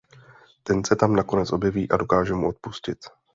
Ten se tam nakonec objeví a dokáže mu odpustit.